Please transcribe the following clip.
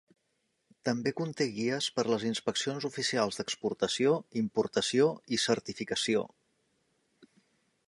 També conté guies per les inspeccions oficials d'exportació, importació i certificació.